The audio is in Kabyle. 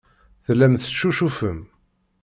Tellam teccucufem.